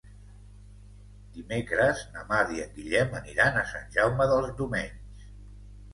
Dimecres na Mar i en Guillem aniran a Sant Jaume dels Domenys.